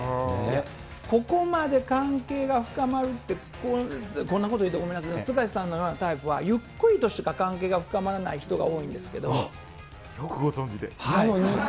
ここまで関係が深まるって、こんなこと言ってごめんなさい、塚地さんのようなタイプの人はゆっくりとした関係が深まらない人よくご存じで。